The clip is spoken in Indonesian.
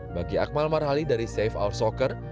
bagi akmal marhali dari safe our soccer